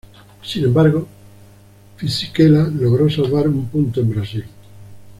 Sin embargo, Fisichella logró salvar un punto en Brasil.